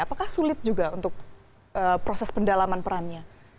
apakah sulit juga untuk proses pendalaman perannya